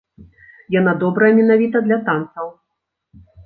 Яна добрая менавіта для танцаў.